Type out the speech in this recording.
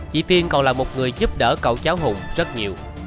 chị tiên còn là một người giúp đỡ cậu cháu hùng rất nhiều